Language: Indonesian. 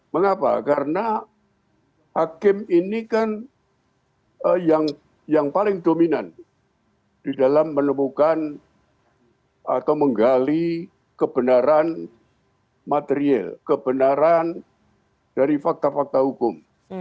mengapa karena hakim ini kan yang paling dominan di dalam menemukan atau menggali kebenaran material kebenaran dari fakta fakta hukum